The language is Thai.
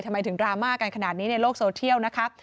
ทำไมถึงดราม่ากันขนาดนี้ในโลกโซเทียลนะคะ